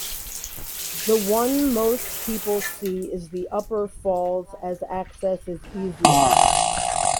The one most people see is the upper falls, as access is easier.